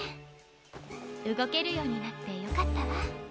うごけるようになってよかったわ。